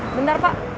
eh bentar pak